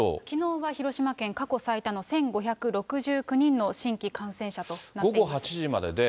きのうは広島県、過去最多の１５６９人の新規感染者となっています。